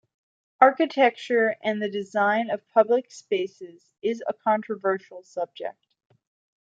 Architecture and the design of public places is a controversial subject.